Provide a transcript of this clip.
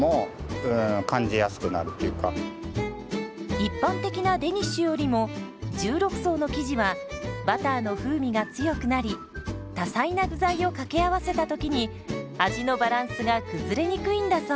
一般的なデニッシュよりも１６層の生地はバターの風味が強くなり多彩な具材を掛け合わせた時に味のバランスが崩れにくいんだそう。